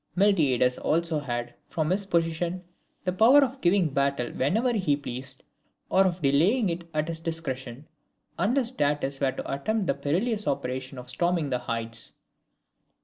Miltiades also had, from his position, the power of giving battle whenever he pleased, or of delaying it at his discretion, unless Datis were to attempt the perilous operation of storming the heights.